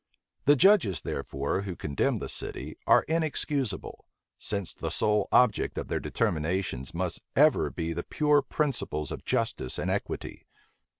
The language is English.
The judges, therefore, who condemned the city, are inexcusable; since the sole object of their determinations must ever be the pure principles of justice and equity.